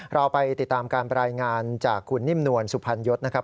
เราไปติดตามการรายงานจากคุณนิ่มนวลสุพรรณยศนะครับ